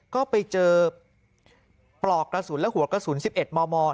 ก็ไปเจอปลอกกระสุนและหัวกระสุน๑๑มม